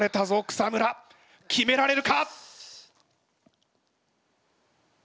草村決められるか！？